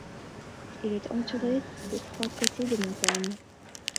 Elle est entourée des trois côtés de montagnes.